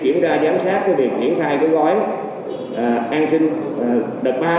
chúng ta giám sát cái việc triển khai cái gói an sinh đợt ba này